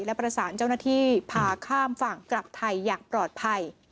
และประสานเจ้าหน้าที่พาข้ามฝั่งกลับไทยอย่างปลอดภัย